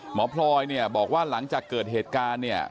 หมอพลอยบอกว่าหลังจากเกิดเหตุการณ์